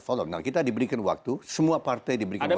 follow up kita diberikan waktu semua partai diberikan waktu